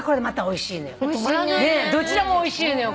どちらもおいしいのよ